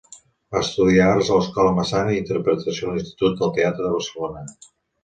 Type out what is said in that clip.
Va estudiar arts a l'Escola Massana i interpretació a l'Institut del Teatre de Barcelona.